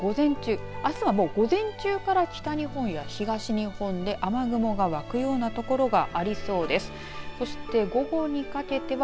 あす午前中あすは午前中から北日本や東日本に雨雲がわくような所がありそうです。